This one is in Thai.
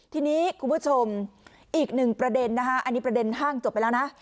ทีนี้คุณผู้ชมอีกหนึ่งประเด็นนะคะอันนี้ประเด็นห้างจบไปแล้วนะ